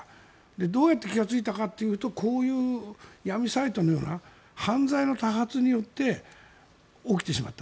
どうやって気がついたかというとこういう闇サイトのような犯罪の多発によって起きてしまった。